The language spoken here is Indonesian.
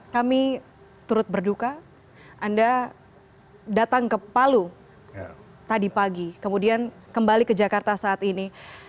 kami turut berduka anda datang ke palu tadi pagi kemudian kembali ke jakarta saat ini